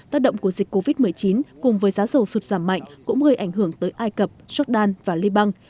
tác động của dịch covid một mươi chín cùng với giá dầu sụt giảm mạnh cũng gây ảnh hưởng tới ai cập jordan và liban